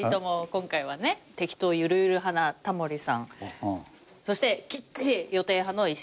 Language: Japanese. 今回はね適当ゆるゆる派なタモリさんそしてきっちり予定派の石井さん。